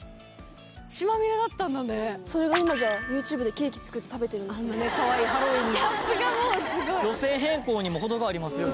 それが今じゃＹｏｕＴｕｂｅでケーキ作って食べてるんですあんなねかわいいハロウイーンのギャップがもうすごい路線変更にもほどがありますよね